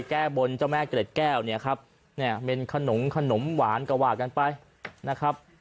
แก้บนเจ้าแม่เกร็ดแก้วเนี่ยครับเนี่ยเป็นขนมขนมหวานก็ว่ากันไปนะครับ